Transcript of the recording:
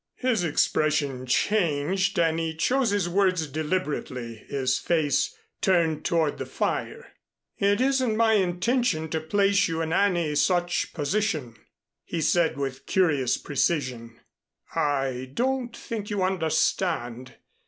His expression changed and he chose his words deliberately, his face turned toward the fire. "It isn't my intention to place you in any such position," he said with curious precision. "I don't think you understand.